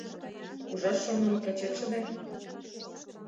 Ужаш шонымо качетше ден